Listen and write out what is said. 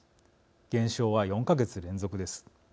減少は４か月連続です。